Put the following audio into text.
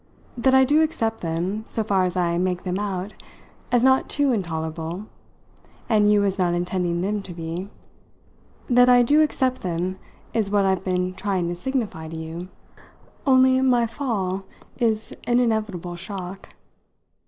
That I do accept them so far as I make them out as not too intolerable and you as not intending them to be that I do accept them is what I've been trying to signify to you. Only my fall," I added, "is an inevitable shock.